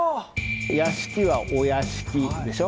「屋敷」は「お屋敷」でしょ。